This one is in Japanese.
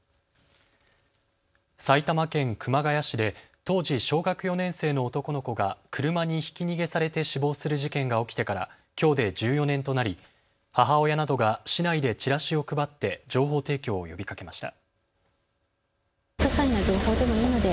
埼玉県熊谷市で当時小学４年生の男の子が車にひき逃げされて死亡する事件が起きてからきょうで１４年となり母親などが市内でチラシを配って情報提供を呼びかけました。